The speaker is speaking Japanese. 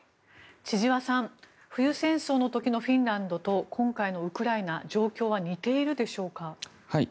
千々和さん冬戦争の時のフィンランドと今回のウクライナ状況は似ているでしょうか？